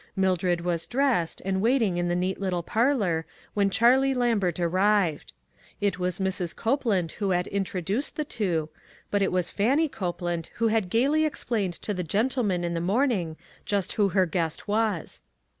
Mildred was dressed, and waiting in the neat little par lor, when Charlie Lambert arrived. It was Mrs. Copeland who had introduced the two, but it was Fannie Copeland who had gayly explained to the gentleman in the morning just who her guest was.